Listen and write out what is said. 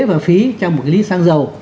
và phí trong một lít sang dầu